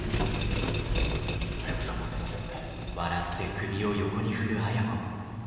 亜哉子さんもすいません。